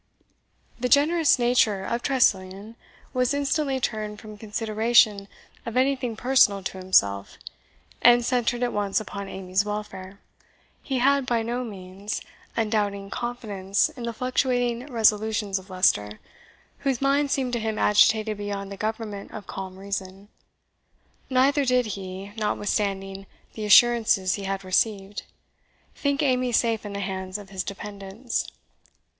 The generous nature of Tressilian was instantly turned from consideration of anything personal to himself, and centred at once upon Amy's welfare. He had by no means undoubting confidence in the fluctuating resolutions of Leicester, whose mind seemed to him agitated beyond the government of calm reason; neither did he, notwithstanding the assurances he had received, think Amy safe in the hands of his dependants.